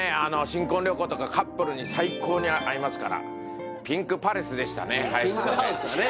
新婚旅行とかカップルに最高に合いますからピンクハウスはね